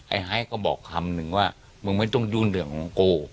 ไฮก็บอกคำนึงว่ามึงไม่ต้องยุ่งเรื่องของกู